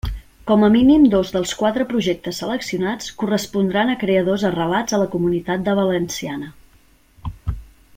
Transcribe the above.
Com a mínim dos dels quatre projectes seleccionats correspondran a creadors arrelats a la Comunitat de Valenciana.